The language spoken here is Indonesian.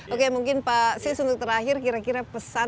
oke mungkin pak sis untuk terakhir kira kira pesan yang ingin disampaikan